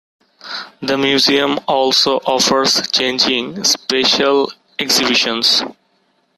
The museum also offers changing special exhibitions.